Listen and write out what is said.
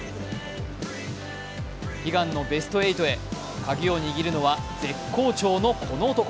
悲願のベスト８へ、鍵を握るのは絶好調のこの男。